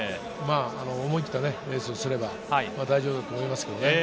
思い切ったレースをすれば大丈夫だと思います。